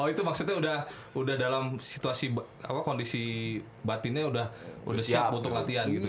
oh itu maksudnya udah dalam kondisi batinnya udah siap untuk latihan gitu ya